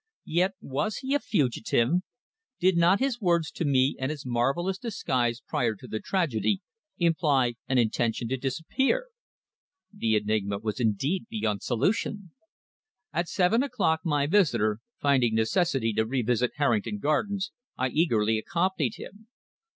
Yet was he a fugitive? Did not his words to me and his marvellous disguise prior to the tragedy imply an intention to disappear? The enigma was indeed beyond solution. At seven o'clock my visitor, finding necessity to revisit Harrington Gardens, I eagerly accompanied him.